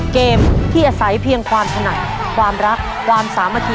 เกมที่อาศัยเพียงความถนัดความรักความสามัคคี